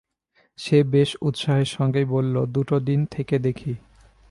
সে বেশ উৎসাহের সঙ্গেই বলল, দুটো দিন থেকে দেখি।